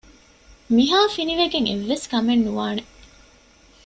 މިހާ ފިނޑިވެގެން އެއްވެސް ކަމެއް ނުވާނެ